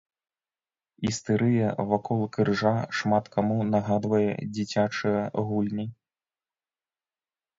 Істэрыя вакол крыжа шмат каму нагадвае дзіцячыя гульні.